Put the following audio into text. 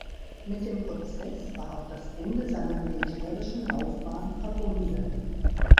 Mit dem Prozess war auch das Ende seiner militärischen Laufbahn verbunden.